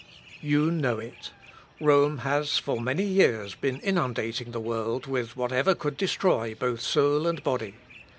"You know it; Rome has for many years been inundating the world with whatever could destroy both soul and body.